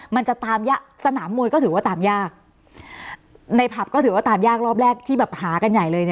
มันจะตามยากสนามมวยก็ถือว่าตามยากในผับก็ถือว่าตามยากรอบแรกที่แบบหากันใหญ่เลย